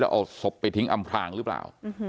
เอาศพไปทิ้งอำพลางหรือเปล่า